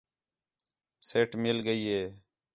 سیٹ مِل ڳئی ہِے